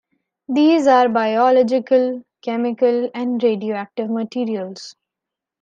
These are biological, chemical and radioactive materials.